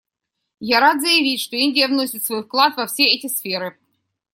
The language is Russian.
Я рад заявить, что Индия вносит свой вклад во все эти сферы.